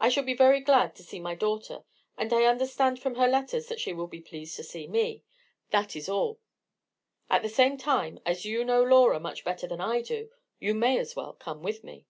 I shall be very glad to see my daughter; and I understand from her letters that she will be pleased to see me. That is all! At the same time, as you know Laura much better than I do, you may as well come with me."